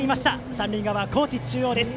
三塁側、高知中央です。